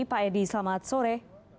pak edi selamat sore